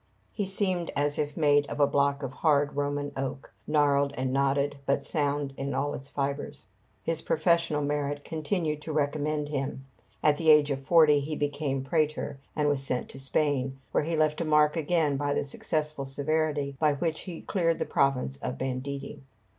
He seemed as if made of a block of hard Roman oak, gnarled and knotted, but sound in all its fibres. His professional merit continued to recommend him. At the age of forty he became prætor, and was sent to Spain, where he left a mark again by the successful severity by which he cleared the province of banditti.